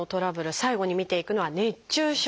最後に見ていくのは熱中症です。